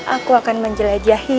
aku akan menjelajahi